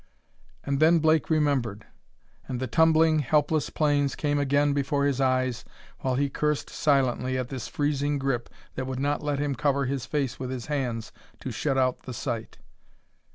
And then Blake remembered. And the tumbling, helpless planes came again before his eyes while he cursed silently at this freezing grip that would not let him cover his face with his hands to shut out the sight.